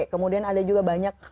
kemudian ada juga banyak hal lain